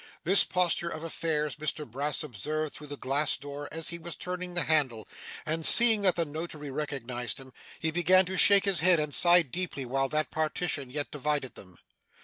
This posture of affairs Mr Brass observed through the glass door as he was turning the handle, and seeing that the notary recognised him, he began to shake his head and sigh deeply while that partition yet divided them.